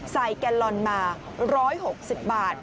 แกลลอนมา๑๖๐บาท